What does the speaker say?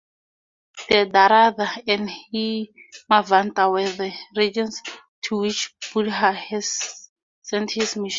The Darada and Himavanta were the regions to which Buddha sent his missionaries.